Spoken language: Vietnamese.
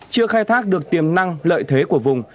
chưa khai thác được tiềm năng lợi thế của vùng